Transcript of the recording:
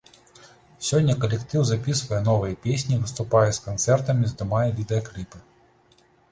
Сёння калектыў запісвае новыя песні, выступае з канцэртамі, здымае відэакліпы.